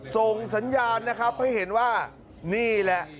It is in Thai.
ส่งสัญญาณนะครับให้เห็นว่านี่แหละ